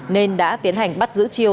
nên đã tiến hành bắt giữ chiêu